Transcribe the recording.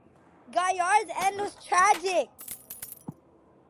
Gaillard's end was tragic.